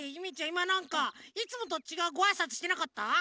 いまなんかいつもとちがうごあいさつしてなかった？